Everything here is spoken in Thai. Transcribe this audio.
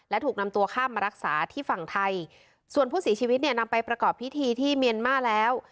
และถูกนำตัวข้ามมารักษาที่ฝั่งไทยส่วนผู้เสียชีวิตเนี่ยนำไปประกอบพิธีที่เมียนมาร์แล้ว